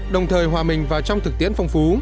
đồng thời hòa mình vào trong thực tiễn phong phú